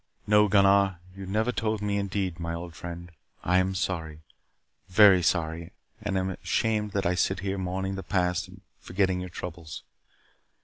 "No, Gunnar. You never told me. Indeed, old friend, I am sorry. Very sorry. And ashamed that I sit here mourning the past and forgetting your troubles."